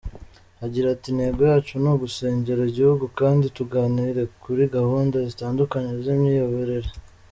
Agira ati “Intego yacu ni ugusengera igihugu kandi tuganire kuri gahunda zitandukanye z’imiyoborere.